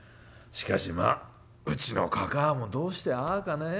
しかしまあうちのかかあもどうしてああかねえ。